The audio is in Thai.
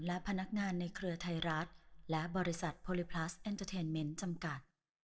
และพนักงานในเครือไทยรัฐและบริษัทโพลิพลัสเอ็นเตอร์เทนเมนต์จำกัด